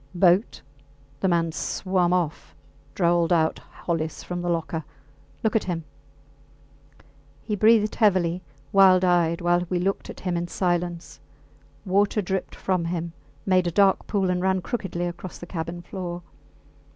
Boat! The mans swum off, drawled out Hollis from the locker. Look at him! He breathed heavily, wild eyed, while we looked at him in silence. Water dripped from him, made a dark pool, and ran crookedly across the cabin floor.